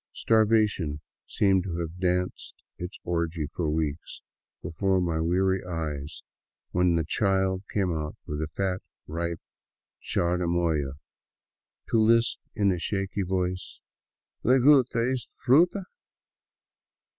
Starvation seemed to have danced its orgy for weeks before my weary eyes when the child came out with a fat, ripe chirimoya, to lisp in a shaky voice, " Le gu'ta e'ta f ruta